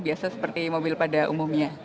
biasa seperti mobil pada umumnya